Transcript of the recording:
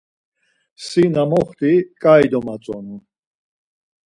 Si na moxti ǩai domatzonu.